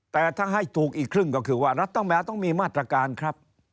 แต่ถ้าให้ถูกอีกครึ่งก็คือว่ารัฐแมวต้องมีมาตรการครับ